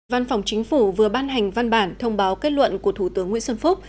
văn phòng chính phủ vừa ban hành văn bản thông báo kết luận của thủ tướng nguyễn xuân phúc